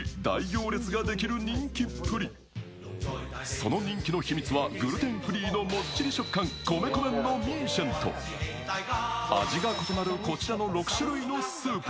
その人気の秘密は、グルテンフリーのもっちり食感、米粉麺のミーシェンと味が異なるこちらの６種類のスープ。